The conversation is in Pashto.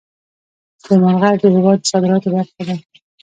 سلیمان غر د هېواد د صادراتو برخه ده.